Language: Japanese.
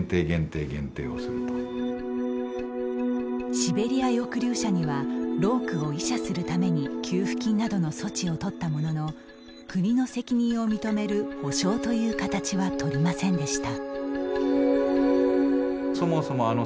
シベリア抑留者には労苦を慰藉するために給付金などの措置をとったものの国の責任を認める補償という形はとりませんでした。